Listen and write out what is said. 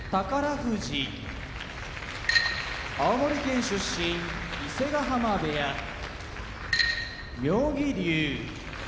富士青森県出身伊勢ヶ濱部屋妙義龍